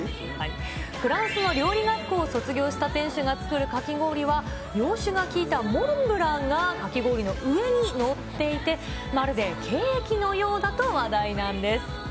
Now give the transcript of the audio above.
フランスの料理学校を卒業した店主が作るかき氷は、洋酒が効いたモンブランがかき氷の上に載っていて、まるでケーキのようだと話題なんです。